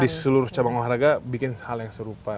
di seluruh cabang olahraga bikin hal yang serupa